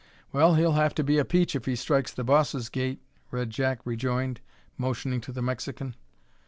"Well, he'll have to be a peach if he strikes the boss's gait," Red Jack rejoined, motioning to the Mexican.